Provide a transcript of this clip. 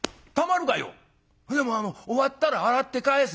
「でもあの終わったら洗って返す」。